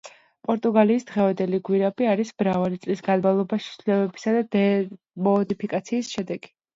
პორტუგალიის დღევანდელი გერბი არის მრავალი წლის განმავლობაში, ცვლილებებისა და მოდიფიკაციის შედეგი.